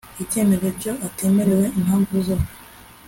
icyemezo iyo atemerewe impamvu zo